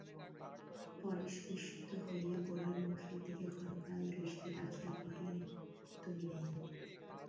পরেশ বিস্মিত হইয়া গোরার মুখের দিকে ক্ষণকাল দৃষ্টি রাখিয়া কহিলেন, তুমি নেই।